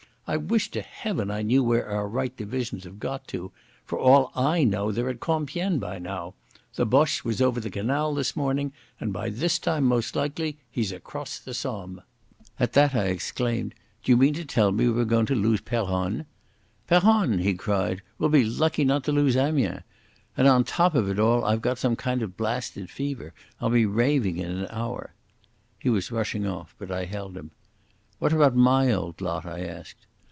I wish to Heaven I knew where our right divisions have got to. For all I know they're at Compiegne by now. The Boche was over the canal this morning, and by this time most likely he's across the Somme." At that I exclaimed. "D'you mean to tell me we're going to lose Peronne?" "Peronne!" he cried. "We'll be lucky not to lose Amiens!... And on the top of it all I've got some kind of blasted fever. I'll be raving in an hour." He was rushing off, but I held him. "What about my old lot?" I asked.